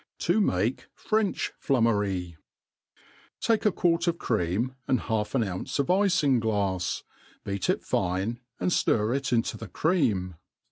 Yi make French Flummery. TAKE a quart of cream, and half an ounce of ifinglafs, beat it fine, and ftir it into ihe crcam.